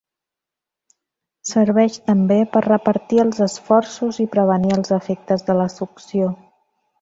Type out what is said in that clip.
Serveix també per repartir els esforços i prevenir els efectes de la succió.